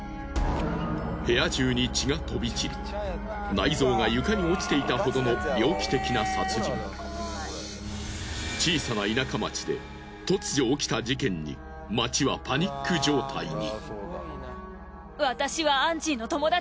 部屋中に血が飛び散り内臓が床に落ちていたほどの小さな田舎町で突如起きた事件に町はパニック状態に。